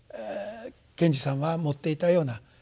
賢治さんは持っていたような。